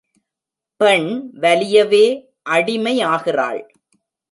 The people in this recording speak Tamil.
பெண் வலியவே அடிமையாகிறாள்.